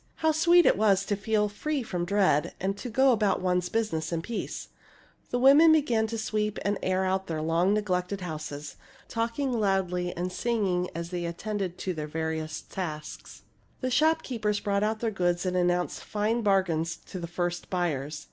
How sweet it was to feel free from dread, and to go about one's business in peace ! The women began to sweep and air their long neglected houses, talking loudly and singing as they attended to their various tasks. The shopkeepers brought out their goods and announced fine bargains to the first buyers.